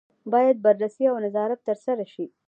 باید بررسي او نظارت ترسره شي.